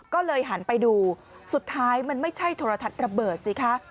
ก็เลยหันไปดูสุดท้ายมันไม่ใช่โทรทัศน์ระเบิดสิคะ